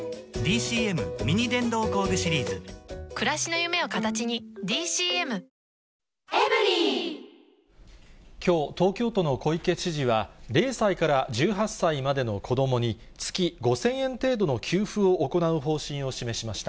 おむつとか、結構毎月、きょう、東京都の小池知事は、０歳から１８歳までの子どもに、月５０００円程度の給付を行う方針を示しました。